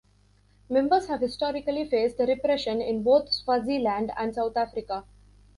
Members have historically faced repression in both Swaziland and South Africa.